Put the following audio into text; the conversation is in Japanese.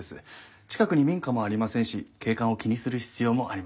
近くに民家もありませんし景観を気にする必要もありません。